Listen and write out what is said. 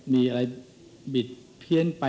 มีอะไรบิดเพี้ยนไป